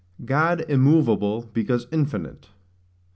God immoveable because infinite.